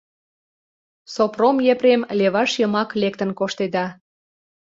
Сопром Епрем леваш йымак лектын коштеда.